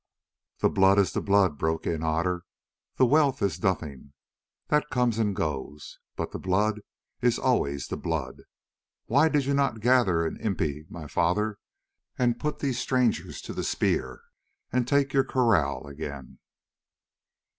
'" "The blood is the blood," broke in Otter, "the wealth is nothing; that comes and goes, but the blood is always the blood. Why did you not gather an impi, my father, and put these strangers to the spear and take your kraal again?"